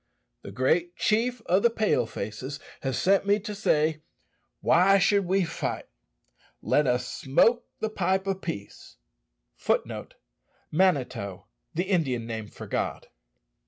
The great chief of the Pale faces has sent me to say, Why should we fight? let us smoke the pipe of peace." [Footnote *: The Indian name for God.